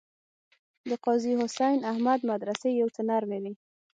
د قاضي حسین احمد مدرسې یو څه نرمې وې.